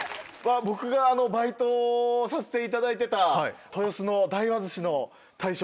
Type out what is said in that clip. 僕がバイトさせていただいてた豊洲の大和寿司の大将。